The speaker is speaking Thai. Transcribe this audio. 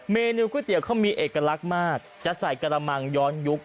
เมนูก๋วยเตี๋ยวเขามีเอกลักษณ์มากจะใส่กระมังย้อนยุค